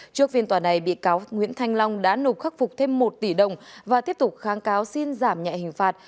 trước phiên tòa này bị cáo nguyễn thanh long đã nộp khắc phục thêm một tỷ đồng và tiếp tục kháng cáo xin giảm nhẹ hình phạt